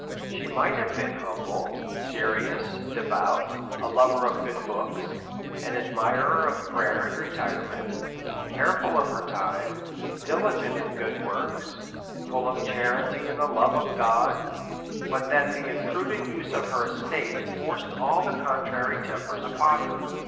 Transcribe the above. She might have been humble, serious, devout, a lover of good books, an admirer of prayer and retire F 4 72 A SERIOUS CALL TO A ment, careful of her time, diligent in good works, full of charity and the love of God, but that the imprudent use of her estate forced all the contrary tempers upon her.